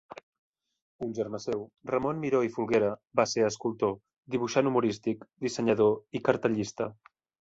Un germà seu, Ramon Miró i Folguera, va ser escultor, dibuixant humorístic, dissenyador i cartellista.